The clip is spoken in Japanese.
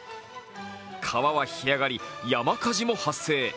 川は干上がり、山火事も発生。